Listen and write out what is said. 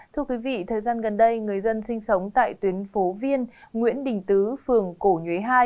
thưa quý vị thời gian gần đây người dân sinh sống tại tuyến phố viên nguyễn đình tứ phường cổ nhuế hai